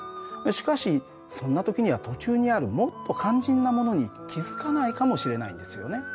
しかしそんな時には途中にあるもっと肝心なものに気付かないかもしれないんですよね。